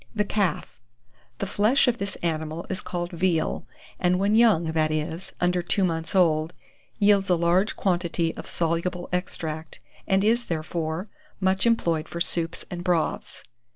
THE CALF The flesh of this animal is called veal, and when young, that is, under two months old, yields a large quantity of soluble extract, and is, therefore, much employed for soups and broths.